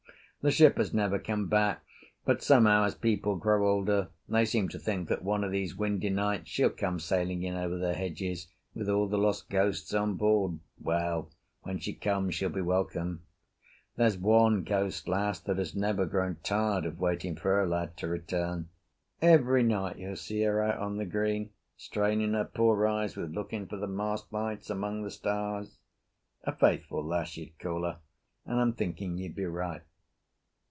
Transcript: The ship has never come back, but somehow as people grow older they seem to think that one of these windy nights she'll come sailing in over the hedges with all the lost ghosts on board. Well, when she comes, she'll be welcome. There's one ghost lass that has never grown tired of waiting for her lad to return. Every night you'll see her out on the green, straining her poor eyes with looking for the mast lights among the stars. A faithful lass you'd call her, and I'm thinking you'd be right.